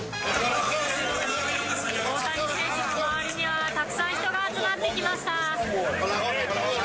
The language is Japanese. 大谷選手の周りには、たくさん人が集まってきました。